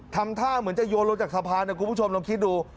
ทำท่าเหมือนจะโยนลงจากสะพานนะคุณผู้ชมลองคิดดู